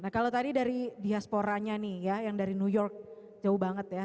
nah kalau tadi dari diasporanya nih ya yang dari new york jauh banget ya